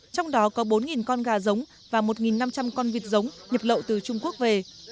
trong đó có bốn con gà giống và một năm trăm linh con vịt giống nhập lậu từ trung quốc về